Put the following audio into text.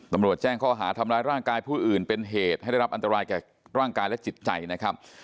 ตำรวจแจ้งข้อหาทำร้ายร่างกายผู้อื่นเป็นเหตุให้ได้รับอันตรายแก่ร่างกายและจิตใจนะครับ